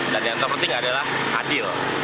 dan yang terpenting adalah adil